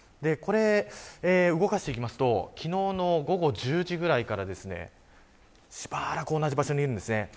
これ動かしていきますと昨日の午後１０時くらいからしばらく同じ場所にいます。